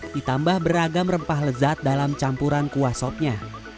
ditambah beragam rempah lezat dalam campuran kuah sopnya